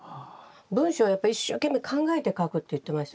「文章はやっぱり一生懸命考えて書く」って言ってました。